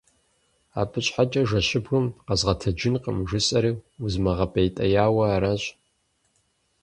Абы щхьэкӀэ жэщыбгым къэзгъэтэджыжынкъым, жысӀэри узмыгъэпӀейтеяуэ аращ.